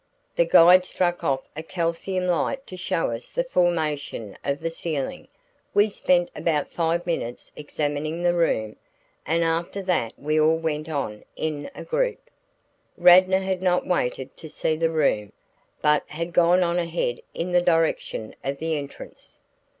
The guide struck off a calcium light to show us the formation of the ceiling. We spent about five minutes examining the room, and after that we all went on in a group. Radnor had not waited to see the room, but had gone on ahead in the direction of the entrance.'"